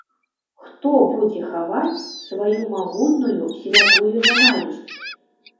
Хто будзе хаваць сваю магутную святую нянавісць?